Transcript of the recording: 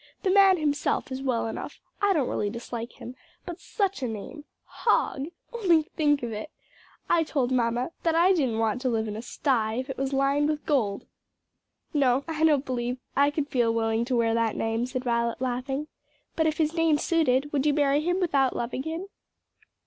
The man himself is well enough, I don't really dislike him; but such a name! Hogg! only think of it! I told mamma that I didn't want to live in a sty, if it was lined with gold." "No, I don't believe I could feel willing to wear that name," said Violet laughing. "But if his name suited, would you marry him without loving him?"